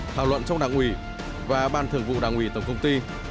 thảo luận trong đảng ủy và ban thường vụ đảng ủy tổng công ty